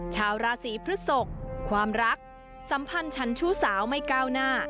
ชาวราศีพฤศกความรักสัมพันธ์ฉันชู้สาวไม่ก้าวหน้า